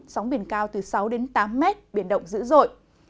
sóng biển cao từ sáu tám m biển động dữ dội